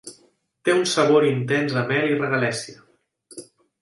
Té un sabor intens a mel i regalèssia.